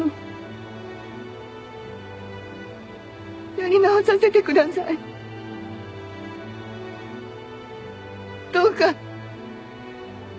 やり直させてください。どうか。